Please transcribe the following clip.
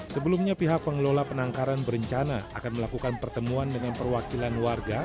sebelumnya pihak pengelola penangkaran berencana akan melakukan pertemuan dengan perwakilan warga